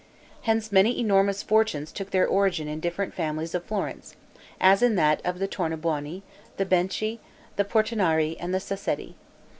Hence many enormous fortunes took their origin in different families of Florence, as in that of the Tornabuoni, the Benci, the Portinari, and the Sassetti.